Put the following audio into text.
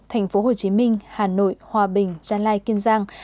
tp hcm hà nội hòa bình trang lai kiên giang